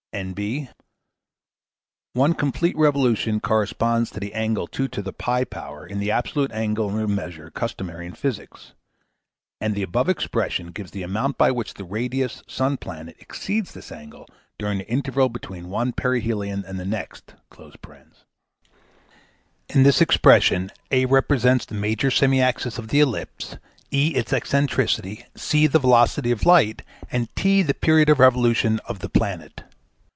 One complete revolution corresponds to the angle 2p in the absolute angular measure customary in physics, and the above expression giver the amount by which the radius sun planet exceeds this angle during the interval between one perihelion and the next.) In this expression a represents the major semi axis of the ellipse, e its eccentricity, c the velocity of light, and T the period of revolution of the planet.